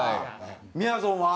みやぞんは？